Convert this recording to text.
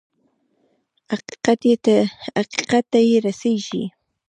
حقيقت ته يې رسېږي.